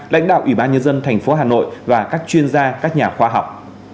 lãnh đạo ủy ban nhân dân tp hà nội và các chuyên gia các nhà khoa học